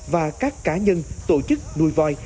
và các cá nhân tổ chức nuôi voi